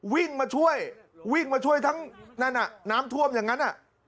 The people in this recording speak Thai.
วิ่งมาช่วยวิ่งมาช่วยทั้งนั้นน้ำท่วมอย่างนั้น